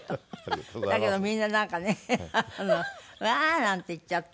だけどみんななんかねわあ！なんて言っちゃって。